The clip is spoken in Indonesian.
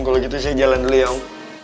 kalau gitu saya jalan dulu ya om